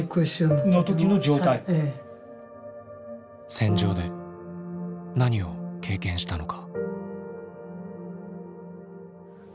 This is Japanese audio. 戦場で何を経験したのか。